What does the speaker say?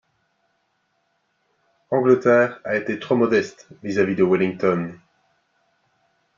Angleterre a été trop modeste vis-à-vis de Wellington.